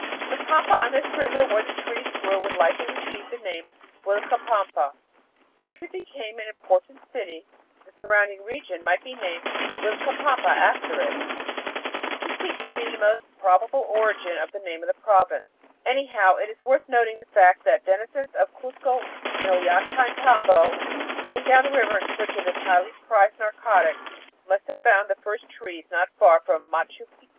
The pampa on this river where the trees grew would likely receive the name Uilca pampa. If it became an important city, then the surrounding region might be named Uilcapampa after it. This seems to me to be the most probable origin of the name of the province. Anyhow it is worth noting the fact that denizens of Cuzco and Ollantaytambo, coming down the river in search of this highly prized narcotic, must have found the first trees not far from Machu Picchu.